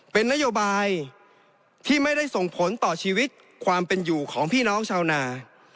เป็นนโยบายที่ไม่ได้ส่งผลต่อชีวิตความเป็นอยู่ของพี่น้องชาวนา